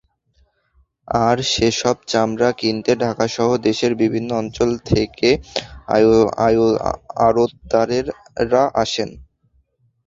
আর সেসব চামড়া কিনতে ঢাকাসহ দেশের বিভিন্ন অঞ্চল থেকে আড়তদারেরা আসেন।